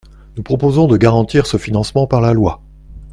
Nous proposons de garantir ce financement par la loi.